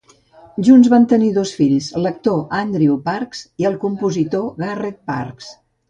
Junts van tenir dos fills, l'actor Andrew Parks i el compositor Garrett Parks.